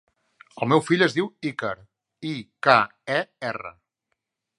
El meu fill es diu Iker: i, ca, e, erra.